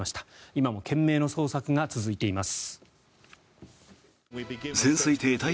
今も懸命の捜索が続いています。